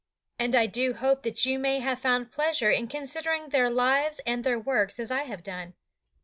And I do hope that you may have found pleasure in considering their lives and their works as I have done.